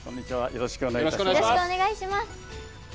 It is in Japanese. よろしくお願いします。